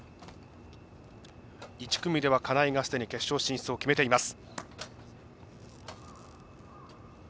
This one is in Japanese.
１組では金井がすでに決勝進出を決めています。